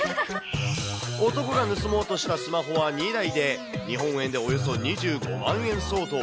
男が盗もうとしたスマホは２台で日本円でおよそ２５万円相当。